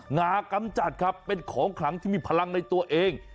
งากำจัดครับเป็นของขลังที่มีพลังในตัวเอง